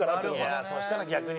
いやそしたら逆に。